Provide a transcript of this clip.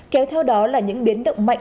kéo theo đó là những biến động mạnh